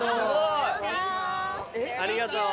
ありがとう。